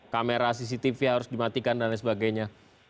kamera cctv harus dimatikan dan lain sebagainya